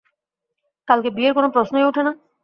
কালকে বিয়ের কোনো প্রশ্নই উঠে না।